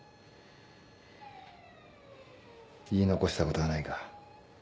言い残したことはないか。